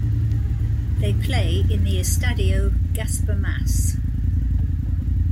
They play in the Estadio Gaspar Mass.